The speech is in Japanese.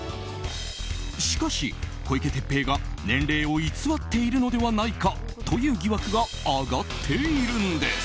しかし、小池徹平が年齢を偽っているのではないかという疑惑が上がっているんです。